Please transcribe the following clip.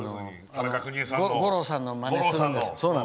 五郎さんのまねをするんですよ。